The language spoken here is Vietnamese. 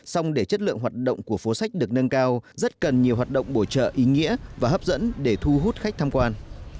xong để chất lượng hoạt động của phố sách được nâng cao rất cần nhiều hoạt động bổ trợ ý nghĩa và hấp dẫn để thu hút khách tham quan